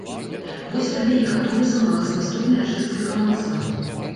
Вось табе і гатовы замах з наступнай ачысткай гаманца.